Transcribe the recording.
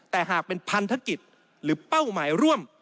แต่หากเป็นพันธกิจหรือเป้าหมายร่วม